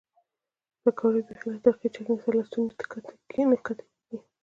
پیکورې بیخي له ترخې چکنۍ له ستوني نه ښکته کېږي.